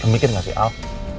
lo mikir gak sih al